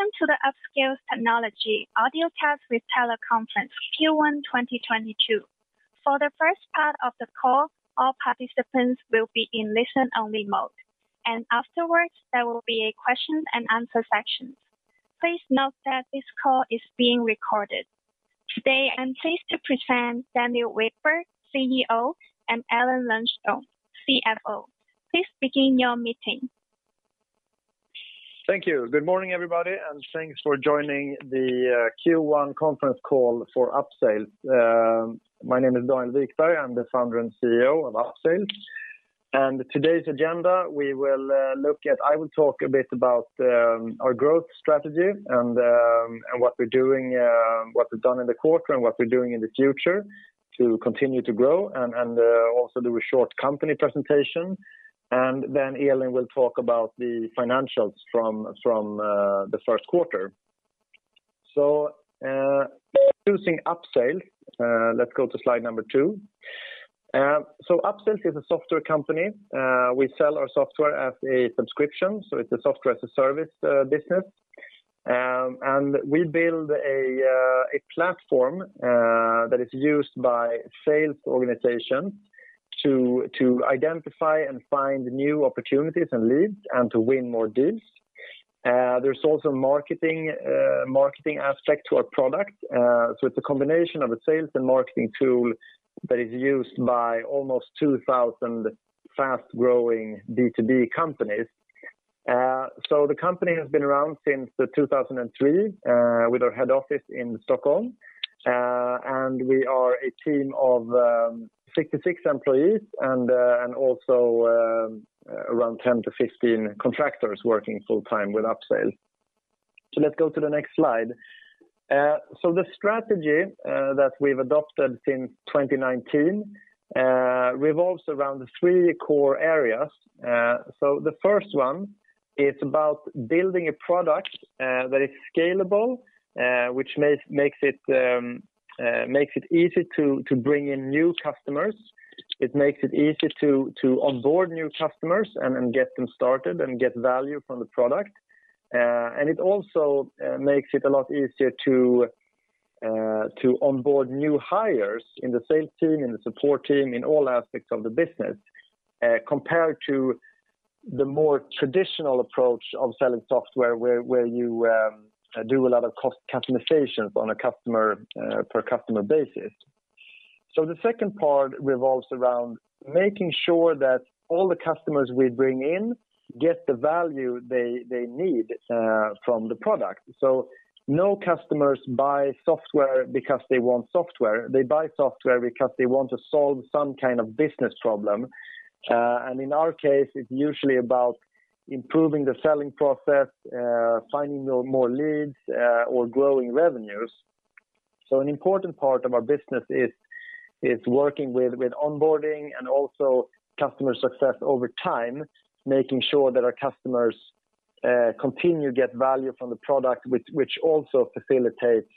Welcome to the Upsales Technology Audiocast with Teleconference Q1 2022. For the first part of the call, all participants will be in listen-only mode, and afterwards, there will be a question and answer section. Please note that this call is being recorded. Today, I'm pleased to present Daniel Wikberg, CEO, and Elin Lundström, CFO. Please begin your meeting. Thank you. Good morning, everybody, and thanks for joining the Q1 Conference Call for Upsales. My name is Daniel Wikberg. I'm the founder and CEO of Upsales. Today's agenda, we will look at. I will talk a bit about our growth strategy and what we're doing, what we've done in the quarter and what we're doing in the future to continue to grow and also do a short company presentation. Then Elin will talk about the financials from the Q1. Introducing Upsales. Let's go to slide number two. Upsales is a software company. We sell our software as a subscription, so it's a software as a service business. We build a platform that is used by sales organizations to identify and find new opportunities and leads and to win more deals. There's also a marketing aspect to our product. It's a combination of a sales and marketing tool that is used by almost 2000 fast-growing B2B companies. The company has been around since 2003 with our head office in Stockholm. We are a team of 66 employees and around 10-15 contractors working full-time with Upsales. Let's go to the next slide. The strategy that we've adopted since 2019 revolves around three core areas. The first one is about building a product that is scalable, which makes it easy to bring in new customers. It makes it easy to onboard new customers and get them started and get value from the product. It also makes it a lot easier to onboard new hires in the sales team, in the support team, in all aspects of the business, compared to the more traditional approach of selling software where you do a lot of custom customizations on a customer per customer basis. The second part revolves around making sure that all the customers we bring in get the value they need from the product. No customers buy software because they want software. They buy software because they want to solve some kind of business problem. In our case, it's usually about improving the selling process, finding more leads, or growing revenues. An important part of our business is working with onboarding and also customer success over time, making sure that our customers continue to get value from the product, which also facilitates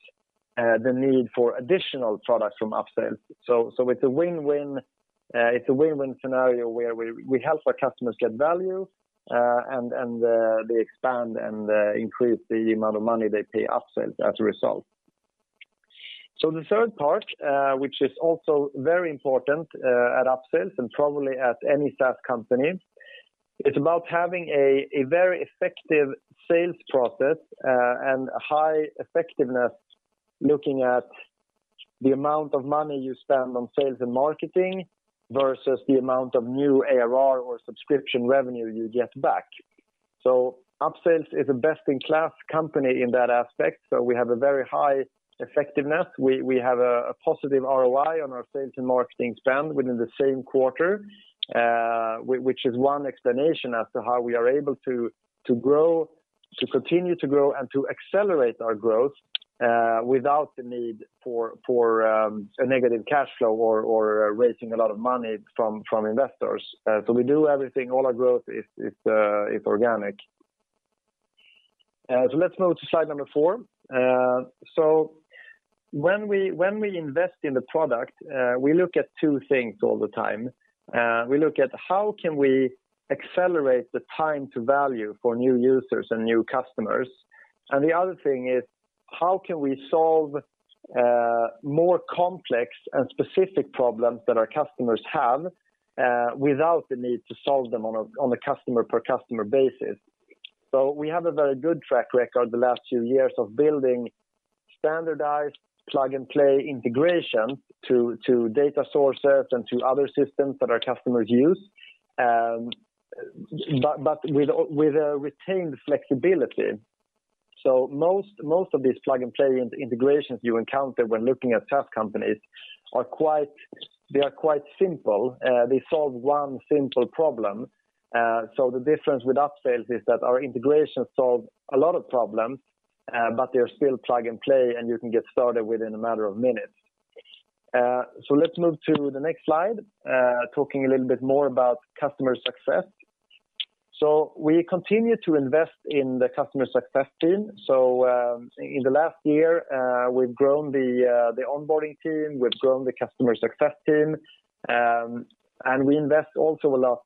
the need for additional products from Upsales. It's a win-win. It's a win-win scenario where we help our customers get value, and they expand and increase the amount of money they pay Upsales as a result. The third part, which is also very important at Upsales and probably at any SaaS company, it's about having a very effective sales process, and a high effectiveness looking at the amount of money you spend on sales and marketing versus the amount of new ARR or subscription revenue you get back. Upsales is a best-in-class company in that aspect, so we have a very high effectiveness. We have a positive ROI on our sales and marketing spend within the same quarter, which is one explanation as to how we are able to grow, to continue to grow and to accelerate our growth, without the need for a negative cash flow or raising a lot of money from investors. We do everything. All our growth is organic. Let's move to slide number four. When we invest in the product, we look at two things all the time. We look at how we can accelerate the time to value for new users and new customers. The other thing is how we can solve more complex and specific problems that our customers have without the need to solve them on a customer per customer basis. We have a very good track record the last few years of building standardized plug-and-play integration to data sources and to other systems that our customers use, but with retained flexibility. Most of these plug-and-play integrations you encounter when looking at SaaS companies are quite simple. They solve one simple problem. The difference with Upsales is that our integrations solve a lot of problems, but they're still plug-and-play, and you can get started within a matter of minutes. Let's move to the next slide, talking a little bit more about customer success. We continue to invest in the customer success team. In the last year, we've grown the onboarding team, we've grown the customer success team, and we invest also a lot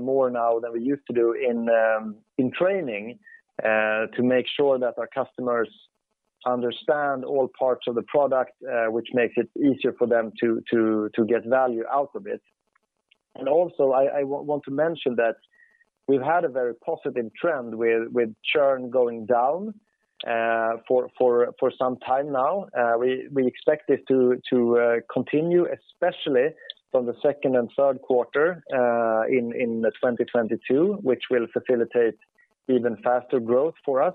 more now than we used to do in training to make sure that our customers understand all parts of the product, which makes it easier for them to get value out of it. I want to mention that we've had a very positive trend with churn going down for some time now. We expect it to continue, especially from the Q2 and Q3, in 2022, which will facilitate even faster growth for us.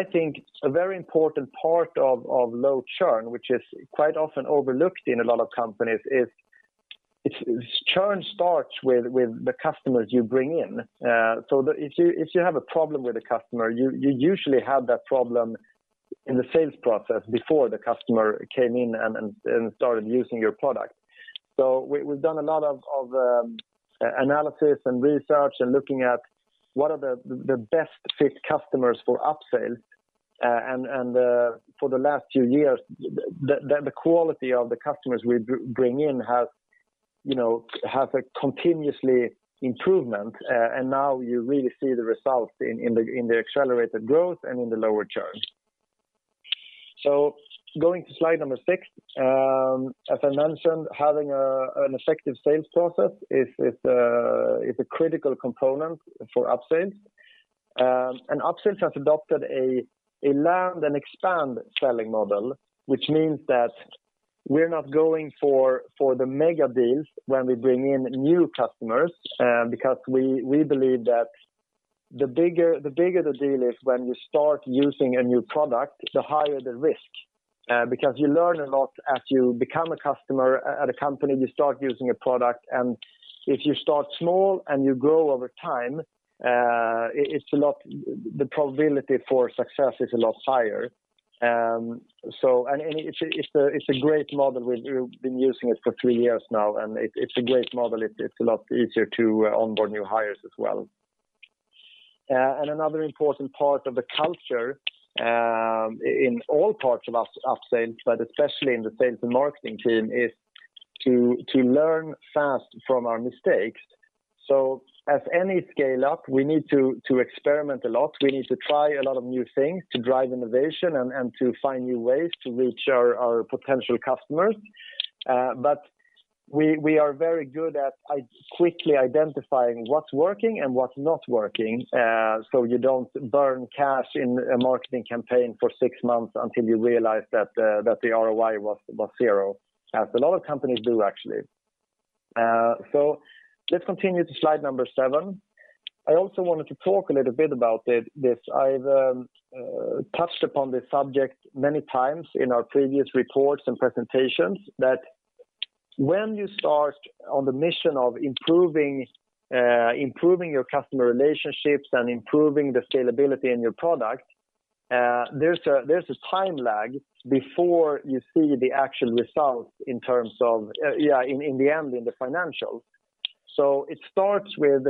I think a very important part of low churn, which is quite often overlooked in a lot of companies, is churn starts with the customers you bring in. If you have a problem with a customer, you usually have that problem in the sales process before the customer came in and started using your product. We've done a lot of analysis and research and looking at what are the best fit customers for Upsales. For the last few years, the quality of the customers we bring in, you know, have a continuous improvement. Now you really see the results in the accelerated growth and in the lower churn. Going to slide number six, as I mentioned, having an effective sales process is a critical component for Upsales. Upsales has adopted a land and expand selling model, which means that we're not going for the mega deals when we bring in new customers, because we believe that the bigger the deal is when you start using a new product, the higher the risk. Because you learn a lot as you become a customer at a company, you start using a product. If you start small and you grow over time, the probability for success is a lot higher. It's a great model. We've been using it for three years now, and it's a great model. It's a lot easier to onboard new hires as well. Another important part of the culture in all parts of Upsales, but especially in the sales and marketing team, is to learn fast from our mistakes. As any scale up, we need to experiment a lot. We need to try a lot of new things to drive innovation and to find new ways to reach our potential customers. We are very good at quickly identifying what's working and what's not working. You don't burn cash in a marketing campaign for six months until you realize that the ROI was zero. As a lot of companies do, actually. Let's continue to slide number seven. I also wanted to talk a little bit about this. I've touched upon this subject many times in our previous reports and presentations that when you start on the mission of improving your customer relationships and improving the scalability in your product, there's a time lag before you see the actual results in terms of, in the end, in the financials. It starts with,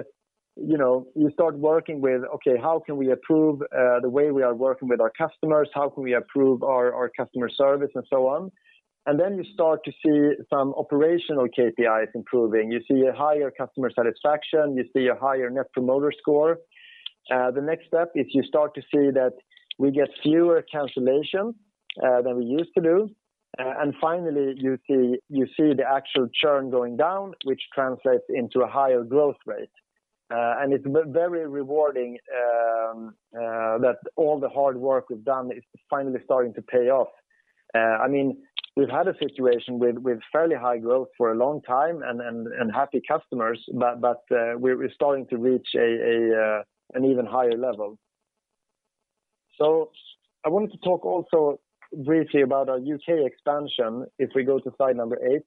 you know, you start working with, okay, how can we improve the way we are working with our customers? How can we improve our customer service and so on? Then you start to see some operational KPIs improving. You see a higher customer satisfaction, you see a higher Net Promoter Score. The next step is you start to see that we get fewer cancellations than we used to do. Finally, you see the actual churn going down, which translates into a higher growth rate. It's very rewarding that all the hard work we've done is finally starting to pay off. I mean, we've had a situation with fairly high growth for a long time and happy customers, but we're starting to reach an even higher level. I wanted to talk also briefly about our UK expansion if we go to slide number eight.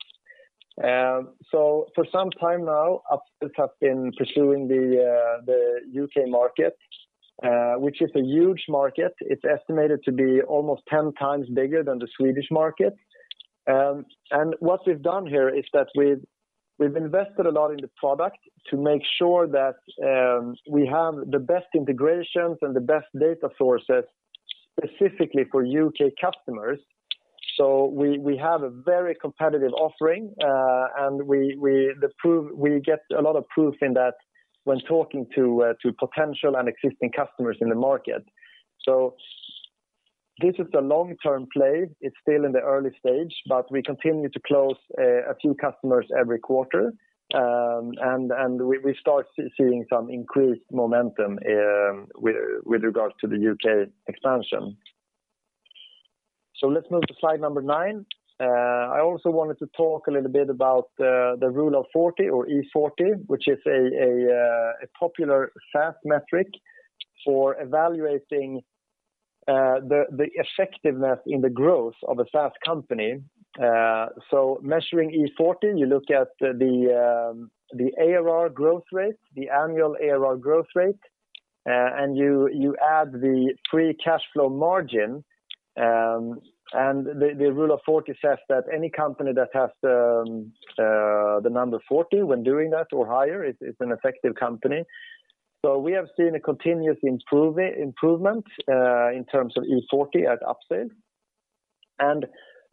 For some time now, Upsales have been pursuing the UK market, which is a huge market. It's estimated to be almost 10 times bigger than the Swedish market. What we've done here is that we've invested a lot in the product to make sure that we have the best integrations and the best data sources specifically for UK customers. We have a very competitive offering, and we get a lot of proof in that when talking to potential and existing customers in the market. This is a long-term play. It's still in the early stage, but we continue to close a few customers every quarter. We start seeing some increased momentum with regards to the UK expansion. Let's move to slide number nine. I also wanted to talk a little bit about the Rule of 40, which is a popular SaaS metric for evaluating the effectiveness in the growth of a SaaS company. Measuring Rule of 40, you look at the ARR growth rate, the annual ARR growth rate, and you add the free cash flow margin, and the Rule of 40 says that any company that has the number 40 when doing that or higher is an effective company. We have seen a continuous improvement in terms of Rule of 40 at Upsales.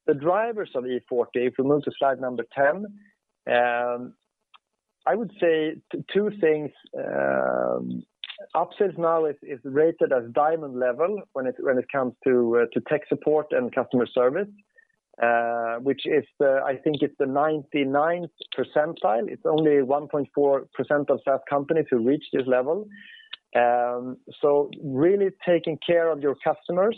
The drivers of Rule of 40, if we move to slide number 10, I would say two things. Upsales now is rated as Diamond Level when it comes to tech support and customer service, which is the 99th percentile. It's only 1.4% of those companies to reach this level. Really taking care of your customers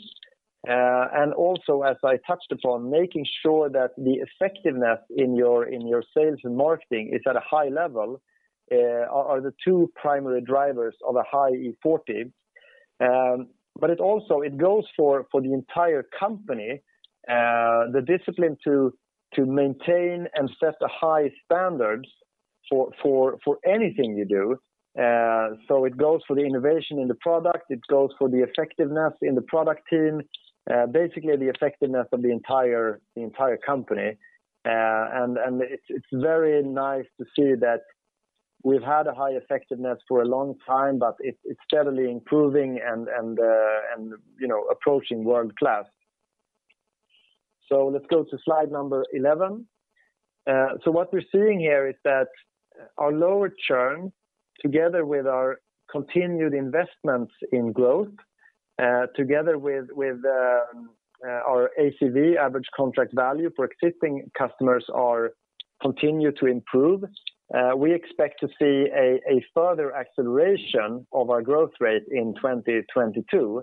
and also, as I touched upon, making sure that the effectiveness in your sales and marketing is at a high level are the two primary drivers of a high Rule of 40. It also goes for the entire company, the discipline to maintain and set the high standards for anything you do. It goes for the innovation in the product, it goes for the effectiveness in the product team, basically the effectiveness of the entire company. It's very nice to see that we've had a high effectiveness for a long time, but it's steadily improving and, you know, approaching world-class. Let's go to slide number 11. What we're seeing here is that our lower churn, together with our continued investments in growth, together with our ACV, average contract value, for existing customers are continue to improve. We expect to see a further acceleration of our growth rate in 2022,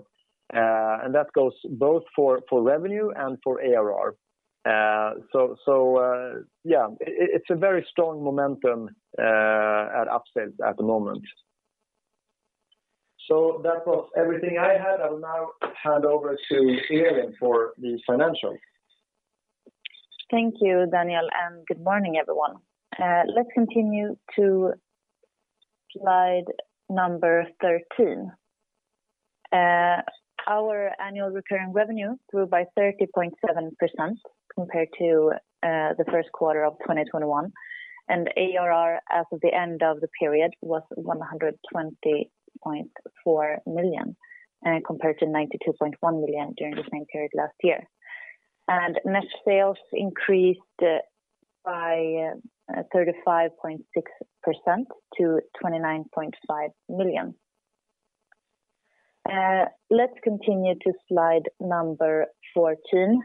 and that goes both for revenue and for ARR. Yeah, it's a very strong momentum at Upsales at the moment. That was everything I had. I will now hand over to Elin for the financials. Thank you, Daniel, and good morning, everyone. Let's continue to slide 13. Our annual recurring revenue grew by 30.7% compared to the Q1 of 2021, and ARR as of the end of the period was 120.4 million compared to 92.1 million during the same period last year. Net sales increased by 35.6% to 29.5 million. Let's continue to slide 14.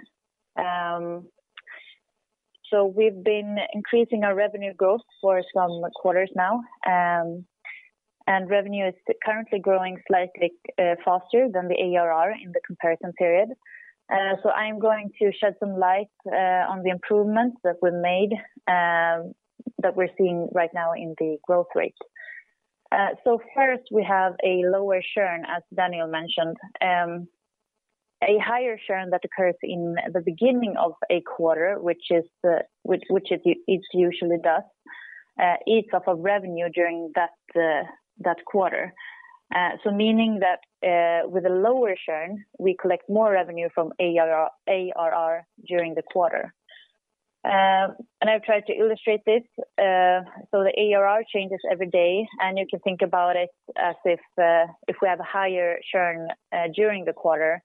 We've been increasing our revenue growth for some quarters now, and revenue is currently growing slightly faster than the ARR in the comparison period. I am going to shed some light on the improvements that we've made that we're seeing right now in the growth rate. First, we have a lower churn, as Daniel mentioned. A higher churn that occurs in the beginning of a quarter, which it usually does, eats up a revenue during that quarter. Meaning that, with a lower churn, we collect more revenue from ARR during the quarter. I've tried to illustrate this. The ARR changes every day, and you can think about it as if we have a higher churn during the quarter,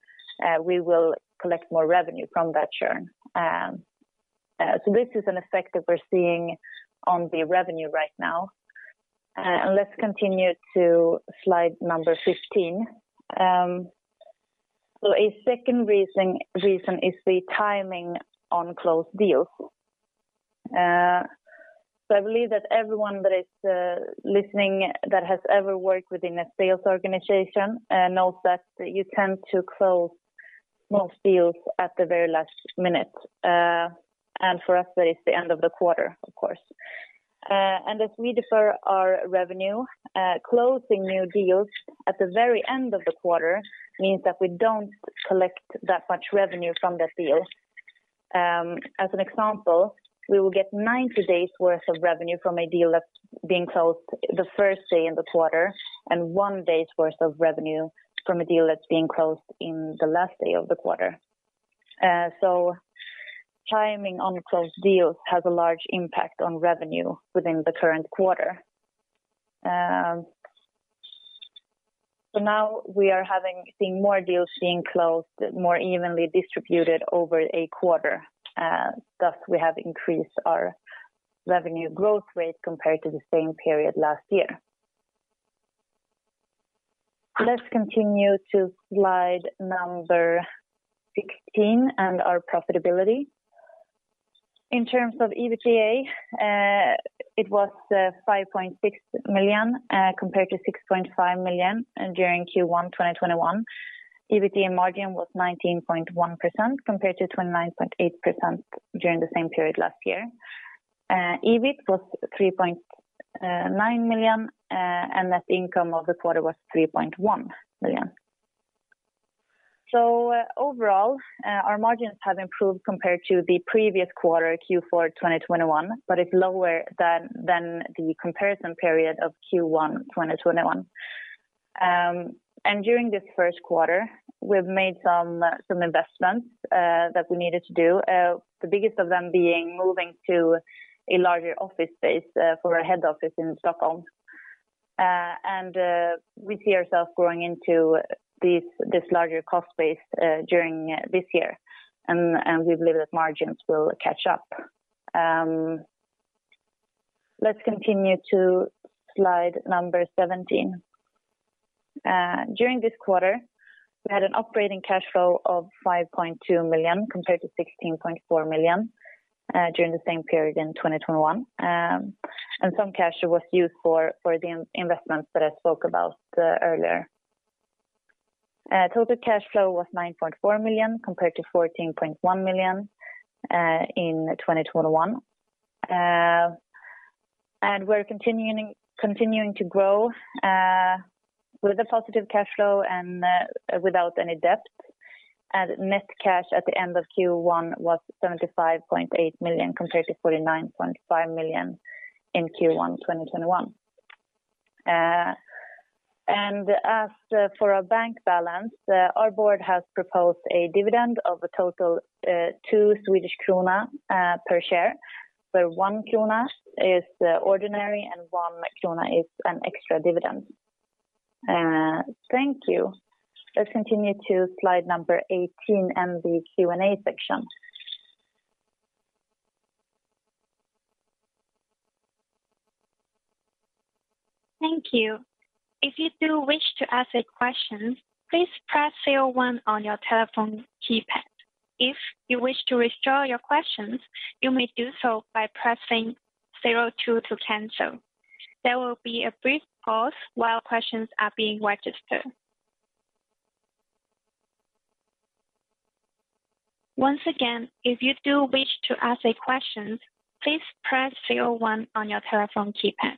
we will collect more revenue from that churn. This is an effect that we're seeing on the revenue right now. Let's continue to slide number 15. A second reason is the timing on closed deals. I believe that everyone that is listening that has ever worked within a sales organization knows that you tend to close most deals at the very last minute. For us, that is the end of the quarter, of course. As we defer our revenue, closing new deals at the very end of the quarter means that we don't collect that much revenue from the deal. As an example, we will get 90 days worth of revenue from a deal that's being closed the first day in the quarter, and one day's worth of revenue from a deal that's being closed in the last day of the quarter. Timing on closed deals has a large impact on revenue within the current quarter. Now we are seeing more deals being closed, more evenly distributed over a quarter. Thus, we have increased our revenue growth rate compared to the same period last year. Let's continue to slide number 16 and our profitability. In terms of EBITDA, it was 5.6 million compared to 6.5 million during Q1 2021. EBITDA margin was 19.1% compared to 29.8% during the same period last year. EBIT was 3.9 million, and net income of the quarter was 3.1 million. Overall, our margins have improved compared to the previous quarter, Q4 2021, but it's lower than the comparison period of Q1 2021. During this first quarter, we've made some investments that we needed to do. The biggest of them being moving to a larger office space for our head office in Stockholm. We see ourselves growing into this larger cost base during this year. We believe that margins will catch up. Let's continue to slide number 17. During this quarter, we had an operating cash flow of 5.2 million compared to 16.4 million during the same period in 2021. Some cash was used for the investments that I spoke about earlier. Total cash flow was 9.4 million compared to 14.1 million in 2021. We're continuing to grow with a positive cash flow and without any debt. Net cash at the end of Q1 was 75.8 million compared to 49.5 million in Q1 2021. As for our bank balance, our board has proposed a dividend of a total 2 Swedish krona per share, where 1 krona is ordinary and 1 krona is an extra dividend. Thank you. Let's continue to slide number 18 and the Q&A section. Thank you. If you do wish to ask a question, please press zero one on your telephone keypad. If you wish to withdraw your questions, you may do so by pressing zero two to cancel. There will be a brief pause while questions are being registered. Once again, if you do wish to ask a question, please press zero one on your telephone keypad.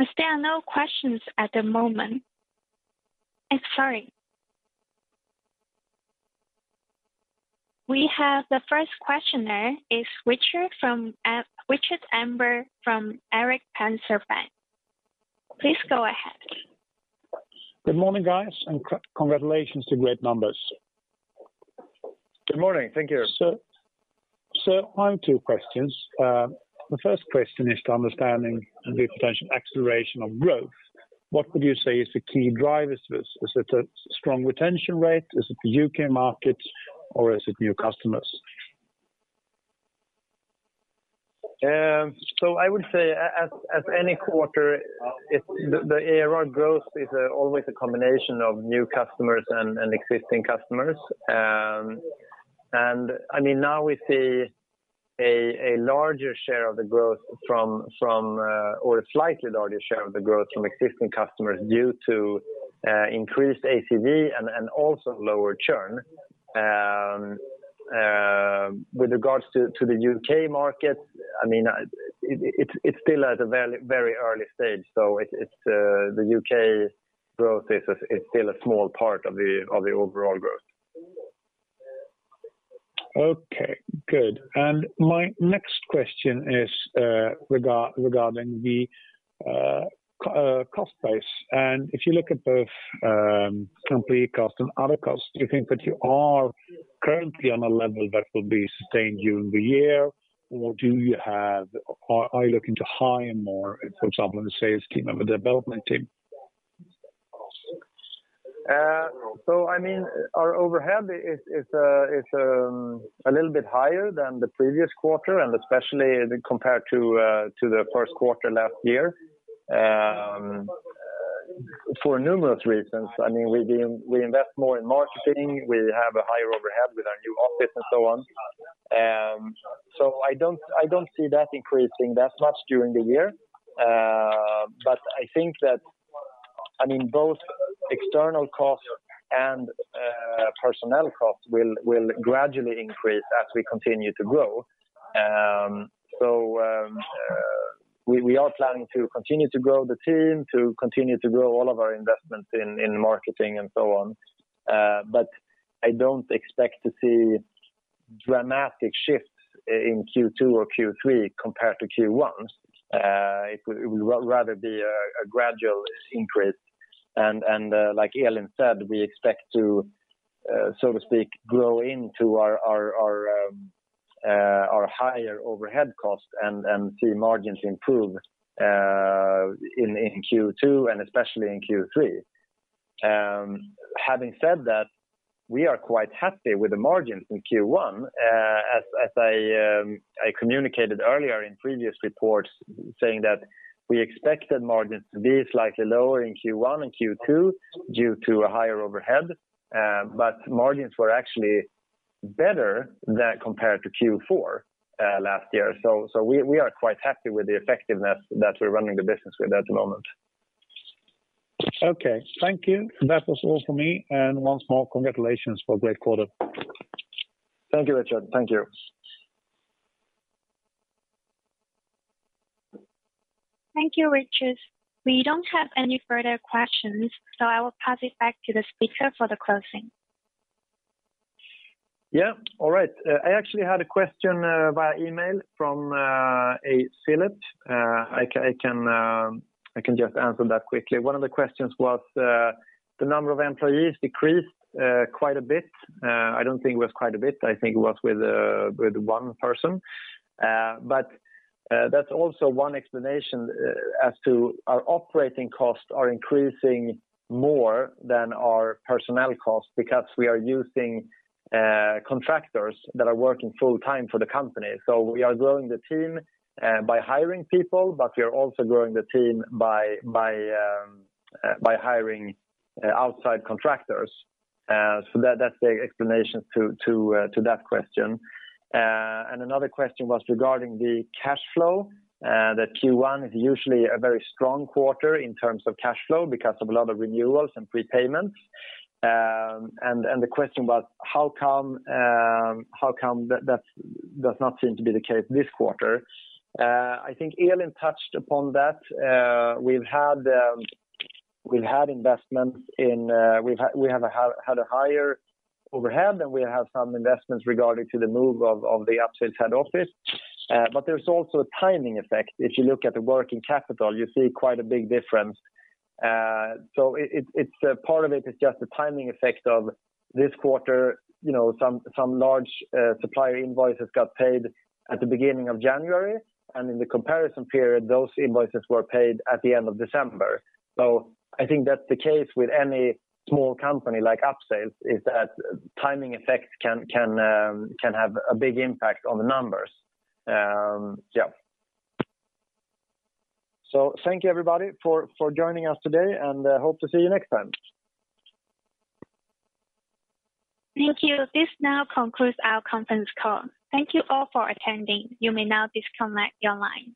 As there are no questions at the moment. Sorry. We have the first questioner is Rikard Engberg from Erik Penser Bank. Please go ahead. Good morning, guys, and congratulations to great numbers. Good morning. Thank you. I have two questions. The first question is to understanding the potential acceleration of growth. What would you say is the key drivers? Is it a strong retention rate? Is it the UK market or is it new customers? I would say as in any quarter, the ARR growth is always a combination of new customers and existing customers. I mean, now we see a larger share of the growth from or a slightly larger share of the growth from existing customers due to increased ACV and also lower churn. With regards to the UK market, I mean, it's still at a very early stage, so the UK growth is still a small part of the overall growth. Okay, good. My next question is regarding the cost base. If you look at both company cost and other costs, do you think that you are currently on a level that will be sustained during the year or are you looking to hire more, for example, in the sales team and the development team? I mean, our overhead is a little bit higher than the previous quarter and especially compared to the Q1 last year, for numerous reasons. I mean, we invest more in marketing, we have a higher overhead with our new office and so on. I don't see that increasing that much during the year. I think that, I mean, both external costs and personnel costs will gradually increase as we continue to grow. We are planning to continue to grow the team, to continue to grow all of our investments in marketing and so on. I don't expect to see dramatic shifts in Q2 or Q3 compared to Q1. It would rather be a gradual increase. Like Elin said, we expect to so to speak, grow into our higher overhead costs and see margins improve in Q2 and especially in Q3. Having said that, we are quite happy with the margins in Q1. As I communicated earlier in previous reports saying that we expected margins to be slightly lower in Q1 and Q2 due to a higher overhead, but margins were actually better than compared to Q4 last year. We are quite happy with the effectiveness that we're running the business with at the moment. Okay. Thank you. That was all for me. Once more, congratulations for a great quarter. Thank you, Rikard. Thank you. Thank you, Rikard Engberg. We don't have any further questions, so I will pass it back to the speaker for the closing. Yeah. All right. I actually had a question via email from a Philip. I can just answer that quickly. One of the questions was the number of employees decreased quite a bit. I don't think it was quite a bit. I think it was with one person. That's also one explanation as to our operating costs are increasing more than our personnel costs because we are using contractors that are working full-time for the company. We are growing the team by hiring people, but we are also growing the team by hiring outside contractors. That's the explanation to that question. Another question was regarding the cash flow. That Q1 is usually a very strong quarter in terms of cash flow because of a lot of renewals and prepayments. The question was how come that does not seem to be the case this quarter? I think Elin touched upon that. We've had investments in. We have had a higher overhead, and we have some investments regarding to the move of the Upsales head office. There's also a timing effect. If you look at the working capital, you see quite a big difference. It's part of it is just the timing effect of this quarter. You know, some large supplier invoices got paid at the beginning of January, and in the comparison period, those invoices were paid at the end of December. I think that's the case with any small company like Upsales, is that timing effects can have a big impact on the numbers. Yeah. Thank you, everybody, for joining us today, and hope to see you next time. Thank you. This now concludes our conference call. Thank you all for attending. You may now disconnect your line.